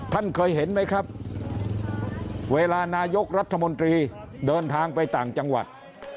ท่านเคยเห็นไหมครับเวลานายกรัฐมนตรีเดินทางไปต่างจังหวัด